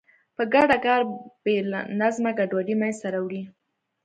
په ګډه کار بې له نظمه ګډوډي منځته راوړي.